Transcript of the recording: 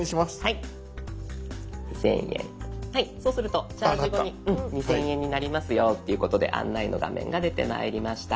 はいそうするとチャージ後に２，０００円になりますよっていうことで案内の画面が出てまいりました。